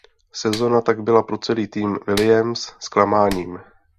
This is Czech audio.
Sezóna tak byla pro celý tým Williams zklamáním.